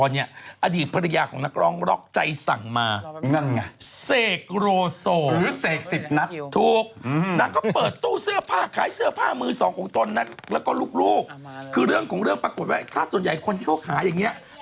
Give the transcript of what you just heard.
เออจริงหรือเปล่าคิมบารี่